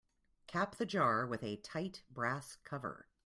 Cap the jar with a tight brass cover.